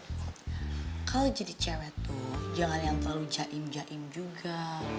kalau jadi cewek tuh jangan yang terlalu jaim jaim juga